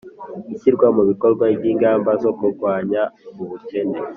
ishyirwa mu bikorwa ry'ingamba zo kurwanya ubukene,